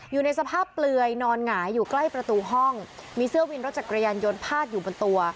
อยู่ในสภาพเปลือยนอนหงายอยู่ใกล้ประตูห้องมีเสื้อวินรถจักรยานยนต์พาดอยู่บนตัว